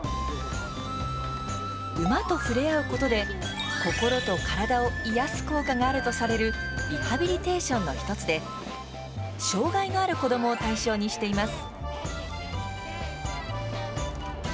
馬と触れ合うことで心と体をいやす効果があるとされるリハビリテーションの一つで障害のある子どもを対象にしています。